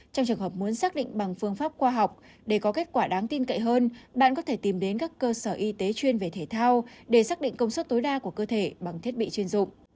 trong trường hợp muốn xác định bằng phương pháp khoa học để có kết quả đáng tin cậy hơn bạn có thể tìm đến các cơ sở y tế chuyên về thể thao để xác định công suất tối đa của cơ thể bằng thiết bị chuyên dụng